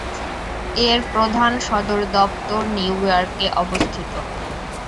এর প্রধান সদর দপ্তর নিউইয়র্কে অবস্থিত।